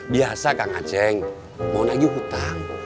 biasa kang aceng mau nagih utang